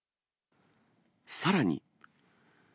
さらに。